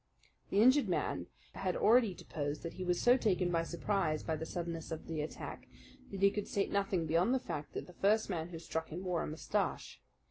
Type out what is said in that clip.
The injured man had already deposed that he was so taken by surprise by the suddenness of the attack that he could state nothing beyond the fact that the first man who struck him wore a moustache.